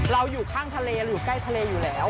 อยู่ข้างทะเลอยู่ใกล้ทะเลอยู่แล้ว